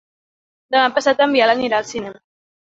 Demà passat en Biel anirà al cinema.